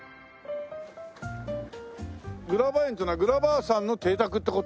グラバー園っていうのはグラバーさんの邸宅って事？